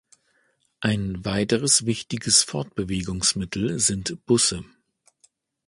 Ein weiteres wichtiges Fortbewegungsmittel sind Busse.